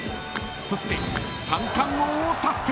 ［そして三冠王を達成］